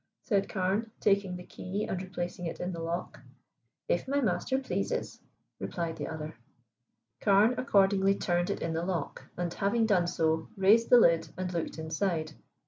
said Carne, taking the key and replacing it in the lock. "If my master pleases," replied the other. Carne accordingly turned it in the lock, and, having done so, raised the lid and looked inside.